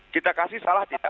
kita kasih salah tidak